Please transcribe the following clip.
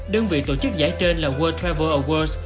đơn vị tổ chức giải trên là world travel awards